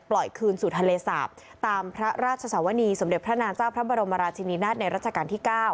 คืนสู่ทะเลสาปตามพระราชสวนีสมเด็จพระนางเจ้าพระบรมราชินีนาฏในรัชกาลที่๙